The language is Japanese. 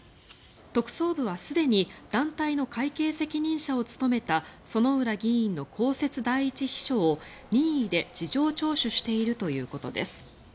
特捜部はすでに団体の会計責任者を務めた薗浦議員の公設第１秘書を任意で事情聴取しているということです。